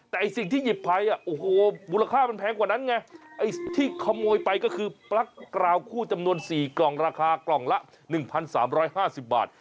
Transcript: แต่ไอ้สิ่งที่หยิบไฟอ่ะโอ้โหมูลค่ามันแพงกว่านั้นไงไอ้ที่ขโมยไปก็คือปลั๊กกราวคู่จำนวนสี่กล่องราคากล่องละหนึ่งพันสามร้อยห้าสิบบาท